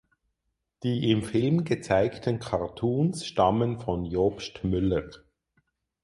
Die im Film gezeigten Cartoons stammen von Jobst Müller.